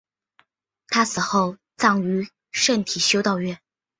她死后葬于圣体修道院。